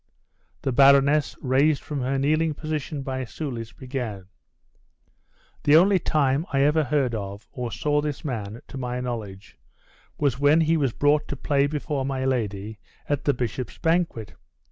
The baroness, raised from her kneeling position by Soulis, began: "The only time I ever heard of, or saw this man, to my knowledge, was when he was brought to play before my lady at the bishop's banquet.